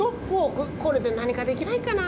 これでなにかできないかな？